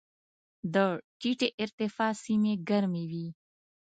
د ټیټې ارتفاع سیمې ګرمې وي.